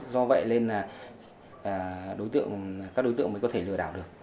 do vậy nên là các đối tượng mới có thể lừa đào được